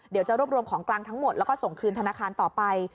เดี๋ยวจะรวบรวมของกลางทั้งหมดแล้วก็ส่งคืนธนาคารต่อไป